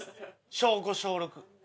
小５小６。